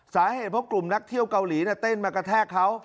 สาเหตุเพราะกลุ่มนักเที่ยวเกาหลีเต้นมากระแทกเขา